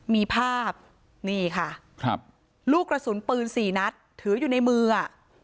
มีภาพนี่ค่ะครับลูกกระสุนปืนสี่นัดถืออยู่ในมือ